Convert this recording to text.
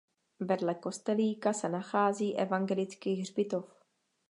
Vedle kostelíka se nachází evangelický hřbitov.